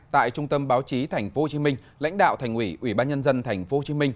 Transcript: tại trung tâm báo chí tp hcm lãnh đạo thành ủy ủy ban nhân dân tp hcm